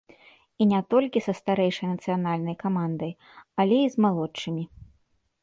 І не толькі са старэйшай нацыянальнай камандай, але і з малодшымі.